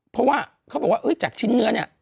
เพราะว่าเขาบอกว่าจากชิ้นเนื้อเนี่ย